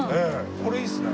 これいいっすね。